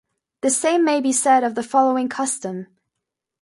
The same may be said of the following custom.